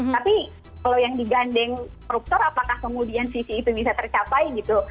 tapi kalau yang digandeng koruptor apakah kemudian visi itu bisa tercapai gitu